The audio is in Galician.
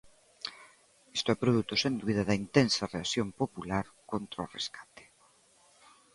Isto é produto sen dúbida da intensa reacción popular contra o rescate.